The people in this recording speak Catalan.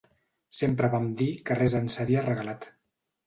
Sempre vam dir que res ens seria regalat.